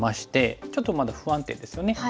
ちょっとまだ不安定ですよね。